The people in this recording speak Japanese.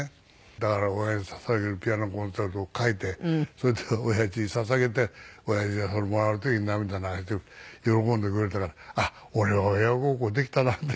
だから『父に捧げるピアノコンチェルト』を書いてそれで親父に捧げて親父がそれもらう時に涙流して喜んでくれたからあっ俺は親孝行できたなってね。